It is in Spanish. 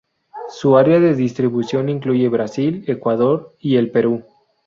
Su área de distribución incluye Brasil, Ecuador, y el Perú.